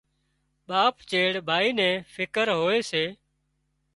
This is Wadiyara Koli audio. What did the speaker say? ٻاپ چيڙ ڀائي نين فڪر هوئي سي